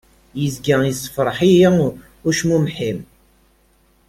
Izga yessefreḥ-iyi ucmumeḥ-im.